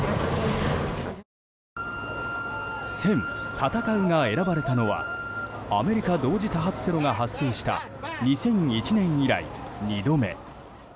「戦」が選ばれたのはアメリカ同時多発テロが発生した２００１年以来２度目。